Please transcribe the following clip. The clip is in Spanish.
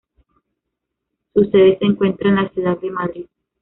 Su sede se encuentra en la ciudad de Madrid.